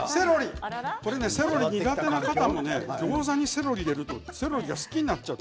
セロリが苦手な方もギョーザにセロリを入れるとセロリが好きになっちゃう。